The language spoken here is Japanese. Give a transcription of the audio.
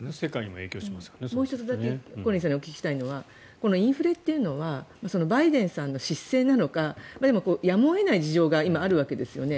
もう１つだけ小西さんにお聞きしたいのはインフレというのはバイデンさんの失政なのかでも、やむを得ない事情があるわけですよね。